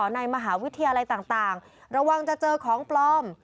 ในมหาวิทยาลัยต่างระวังจะเจอของปลอม